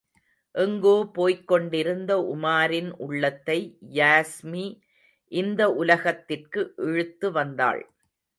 எங்கோ போய்க் கொண்டிருந்த உமாரின் உள்ளத்தை யாஸ்மி இந்த உலகத்திற்கு இழுத்து வந்தாள்.